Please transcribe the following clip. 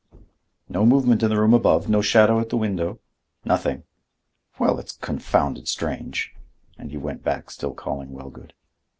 "No movement in the room above? No shadow at the window?" "Nothing." "Well, it's confounded strange!" And he went back, still calling Wellgood.